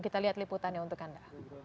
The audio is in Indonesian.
kita lihat liputannya untuk anda